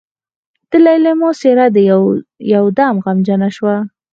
د ليلما څېره يودم غمجنه شوه.